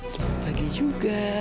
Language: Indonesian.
selamat pagi juga